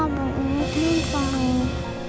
mama inget minta